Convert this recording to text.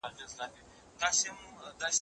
یو سړی په اصفهان کي دوکاندار وو